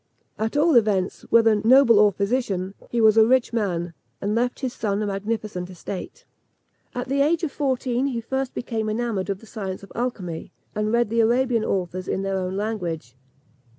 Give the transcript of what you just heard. At all events, whether noble or physician, he was a rich man, and left his son a magnificent estate. At the age of fourteen he first became enamoured of the science of alchymy, and read the Arabian authors in their own language.